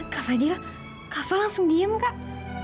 kafa dia langsung diem kak